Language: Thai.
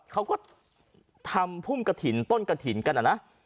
เขาก็ทำพุ่มกะสิ่งต้นกะสิ่งกัน